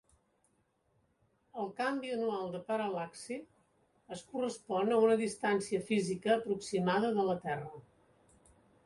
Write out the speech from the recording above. El canvi anual de paral·laxi es correspon a una distància física aproximada de la Terra.